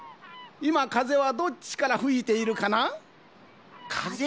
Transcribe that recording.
いまかぜはどっちからふいているかな？かぜ？